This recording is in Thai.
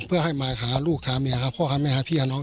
เพื่อให้มาหาลูกถามเบียงแม่พ่อค่ะพี่ค่ะน้อง